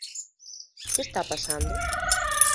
¿Que está pasando?